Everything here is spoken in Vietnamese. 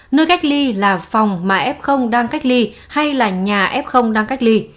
nơi cách ly là phòng mà f đang cách ly hay là nhà f đang cách ly